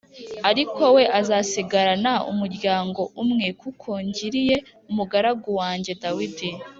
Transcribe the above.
ariko we azasigarana umuryango umwe kuko ngiriye umugaragu wanjye Dawidi